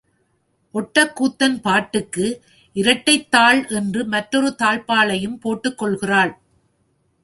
ஒட்டக்கூத்தன் பாட்டுக்கு இரட்டைத் தாழ் என்று மற்றொரு தாழ்ப்பாளையும் போட்டுக் கொள்கிறாள்.